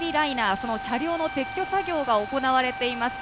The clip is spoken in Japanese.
その車両の撤去作業が行われています。